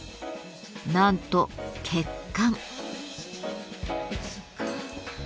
なんと血管。